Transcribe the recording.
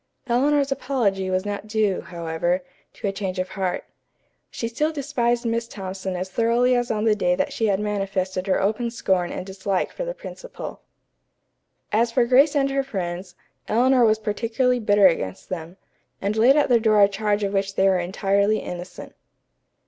Eleanor's apology was not due, however, to a change of heart. She still despised Miss Thompson as thoroughly as on the day that she had manifested her open scorn and dislike for the principal. As for Grace and her friends, Eleanor was particularly bitter against them, and laid at their door a charge of which they were entirely innocent.